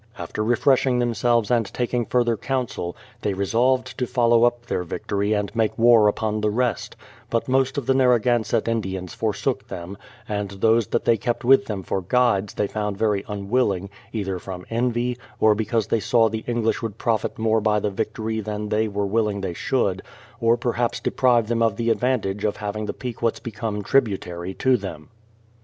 After refreshing themselves and taking further counsel, they resolved to follow up their victory and make war upon the rest; but most of the Narragansett Indians forsook them, and those that they kept with them for guides they found very unwilling, either from envy, or because they saw the English would profit more by the victory than they were willing they should, or perhaps deprive them of the advantage of having the Pequots be come tributary to them.